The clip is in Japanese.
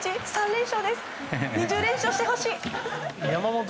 ２０連勝してほしい！